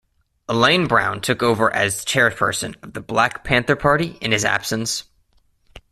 Elaine Brown took over as chairperson of the Black Panther Party in his absence.